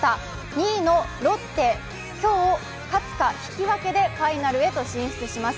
２位のロッテ、今日、勝つか引き分けでファイナルが決まります。